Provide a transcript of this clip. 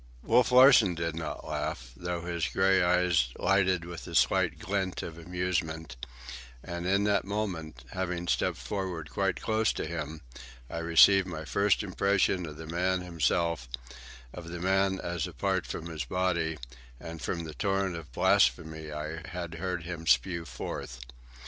Wolf Larsen did not laugh, though his grey eyes lighted with a slight glint of amusement; and in that moment, having stepped forward quite close to him, I received my first impression of the man himself, of the man as apart from his body, and from the torrent of blasphemy I had heard him spew forth.